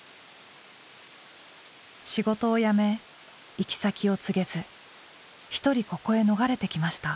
仕事を辞め行き先を告げずひとりここへ逃れてきました。